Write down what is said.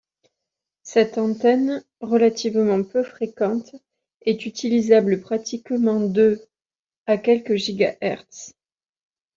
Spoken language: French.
Cette antenne, relativement peu fréquente, est utilisable pratiquement de à quelques gigahertz.